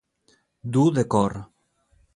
Dur de cor.